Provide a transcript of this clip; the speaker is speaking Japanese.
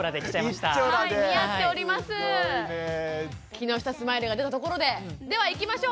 木下スマイルが出たところでではいきましょう。